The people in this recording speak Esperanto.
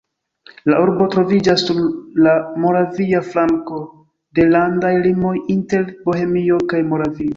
La urbo troviĝas sur la moravia flanko de landaj limoj inter Bohemio kaj Moravio.